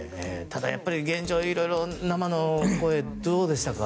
ただ、現状はいろいろ生の声はどうでしたか？